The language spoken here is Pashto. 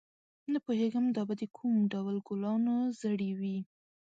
نه پوهېږم دا به د کوم ډول ګلانو زړي وي.